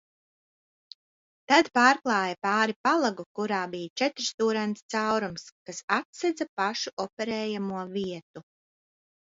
Tad pārklāja pāri palagu, kurā bija četrstūrains caurums, kas atsedza pašu operējamo vietu.